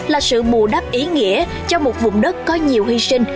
là sự bù đắp ý nghĩa cho một vùng đất có nhiều hy sinh